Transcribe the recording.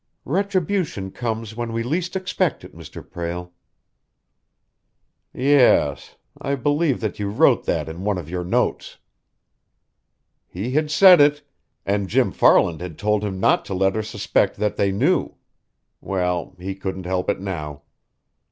"Retribution comes when we least expect it, Mr. Prale." "Yes. I believe that you wrote that in one of your notes." He had said it! And Jim Farland had told him not to let her suspect that they knew. Well, he couldn't help it now.